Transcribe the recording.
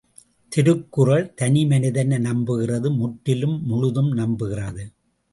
திருக்குறள் தனிமனிதனை நம்புகிறது முற்றிலும் முழுதும் நம்புகிறது.